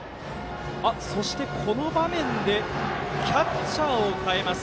そして、この場面でキャッチャーを代えます。